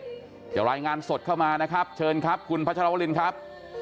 เดี๋ยวรายงานสดเข้ามานะครับเชิญครับคุณพัชรวรินครับ